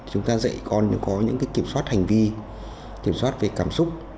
chúng ta dạy con có những kiểm soát hành vi kiểm soát về cảm xúc